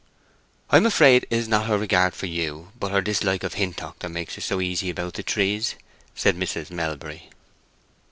"I am afraid 'tis not her regard for you, but her dislike of Hintock, that makes her so easy about the trees," said Mrs. Melbury.